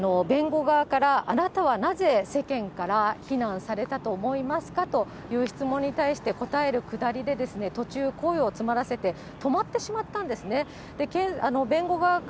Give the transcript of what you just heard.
弁護側から、あなたはなぜ世間から非難されたと思いますかという質問に対して答えるくだりで、途中、声を詰まらせて止まってしまったんですね。